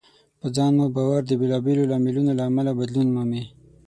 په ځان مو باور د بېلابېلو لاملونو له امله بدلون مومي.